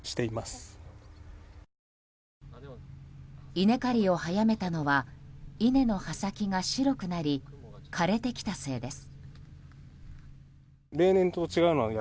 稲刈りを早めたのは稲の葉先が白くなり枯れてきたせいです。